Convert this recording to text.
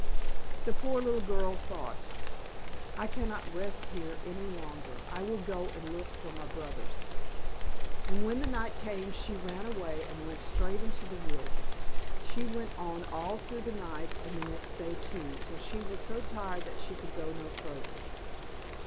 The poor little girl thought, "I cannot rest here any longer, I will go and look for my brothers." And when the night came, she ran away, and went straight into the wood. She went on all through the night, and the next day too, till she was so tired that she could go no further.